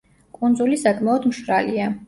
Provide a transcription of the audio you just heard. კუნძული საკმაოდ მშრალია.